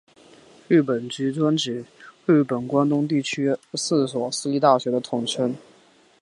日东驹专指日本关东地区四所私立大学的统称。